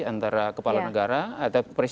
antara kepala negara atau